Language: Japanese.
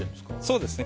そうですね。